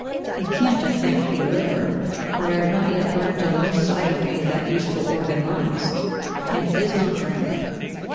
It can't, I think, be liver, for I have not yet learnt on which side of me that useful organ lies, and it is not drink.